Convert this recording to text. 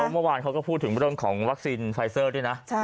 เมื่อวานเขาก็พูดถึงเรื่องของวัคซีนไฟเซอร์ด้วยนะ